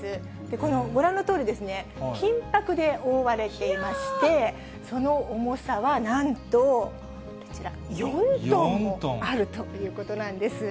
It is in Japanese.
このご覧のとおり、金ぱくで覆われていまして、その重さは、なんとこちら、４トンもあるということなんです。